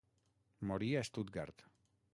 Morí a Stuttgart.